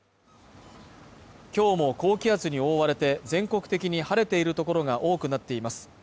今日も高気圧に覆われて全国的に晴れているところが多くなっています。